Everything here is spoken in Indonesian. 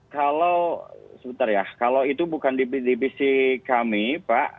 kalau sebentar ya kalau itu bukan di divisi kami pak